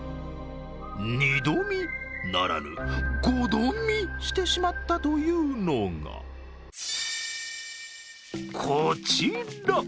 二度見ならぬ、五度見してしまったというのがこちら！